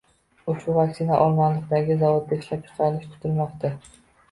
Ushbu vaksina Olmaliqdagi zavodda ishlab chiqarilishi kutilmoqda